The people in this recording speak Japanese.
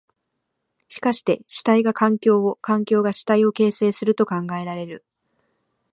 しかして主体が環境を、環境が主体を形成すると考えられる。